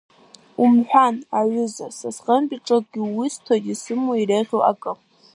Уамыҳәан аҩыза, са сҟынтәи ҽакы, иусҭоит исымоу иреиӷьу акы…